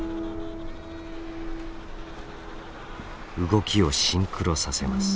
動きをシンクロさせます。